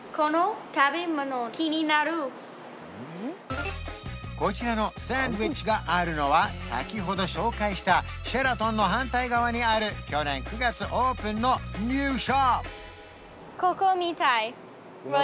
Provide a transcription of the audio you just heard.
あっこちらのサンドイッチがあるのは先ほど紹介したシェラトンの反対側にある去年９月オープンのニューショップ！